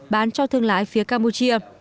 bán cho thương lái phía campuchia